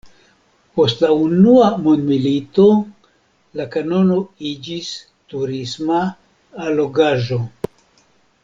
Post la Unua Mondmilito la kanono iĝis turisma allogaĵo.